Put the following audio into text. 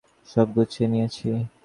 সব গুছিয়ে নিয়েছি।